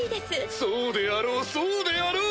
そうであろうそうであろう！